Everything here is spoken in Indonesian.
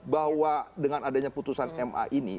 bahwa dengan adanya putusan ma ini